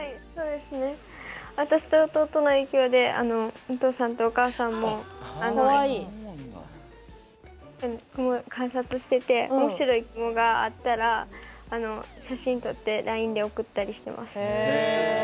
私と弟の影響でお父さんとお母さんも雲を観察してておもしろい雲があったら写真撮ってＬＩＮＥで送ったりしてます。